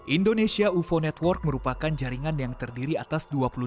indonesia ufo network merupakan jaringan yang terdiri atas dua puluh delapan